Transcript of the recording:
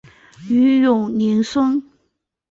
徐永宁孙。